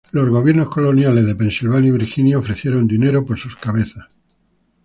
Los gobiernos coloniales de Pensilvania y Virginia ofrecieron dinero por sus cabezas.